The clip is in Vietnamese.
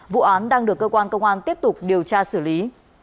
vụ án đang được cơ quan công an tiếp tục điều tra xử lý